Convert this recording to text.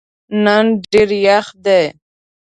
نن ډېر یخ دی.